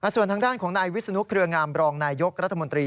ส่วนทางด้านของนายวิศนุเครืองามรองนายยกรัฐมนตรี